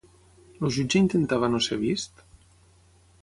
El jutge intentava no ser vist?